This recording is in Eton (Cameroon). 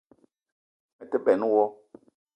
Me te benn wo